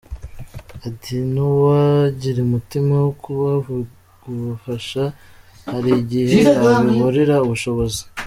Ati “N’uwagira umutima wo kubagufasha hari igihe yabiburira ubushobozi.